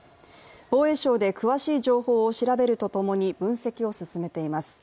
防衛省で詳しい情報を調べると共に分析を進めています。